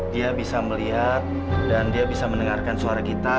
dia bisa melihat dan dia bisa mendengarkan suara kita